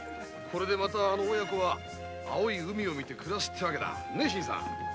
これでまたあの親子は青い海を見て暮らすわけだ。